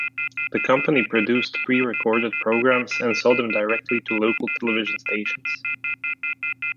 The company produced pre-recorded programs and sold them directly to local television stations.